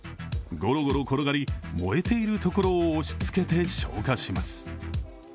ゴロゴロ転がり、燃えているところを押しつけて消火します。